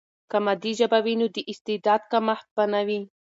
که مادي ژبه وي، نو د استعداد کمښت به نه وي.